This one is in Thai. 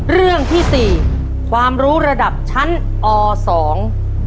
เรื่องที่สี่ความรู้ระดับชั้นอสอง